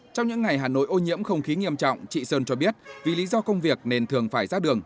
trong những ngày hà nội ô nhiễm không khí nghiêm trọng chị sơn cho biết vì lý do công việc nên thường phải ra đường